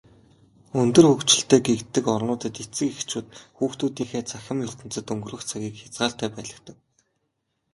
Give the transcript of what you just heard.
Өндөр хөгжилтэй гэгддэг орнуудад эцэг эхчүүд хүүхдүүдийнхээ цахим ертөнцөд өнгөрөөх цагийг хязгаартай байлгадаг.